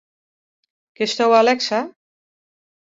Kinsto Alexa?